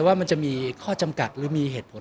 ก็ต้องทำอย่างที่บอกว่าช่องคุณวิชากำลังทำอยู่นั่นนะครับ